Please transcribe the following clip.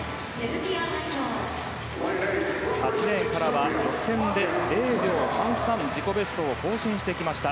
８レーンからは予選で０秒３３自己ベストを更新してきました